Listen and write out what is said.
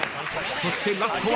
［そしてラストは］